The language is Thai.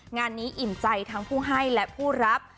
งานนี้อิ่มใจทั้งผู้ให้และผู้รับ